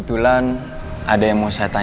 siapa yang nyuruh kalian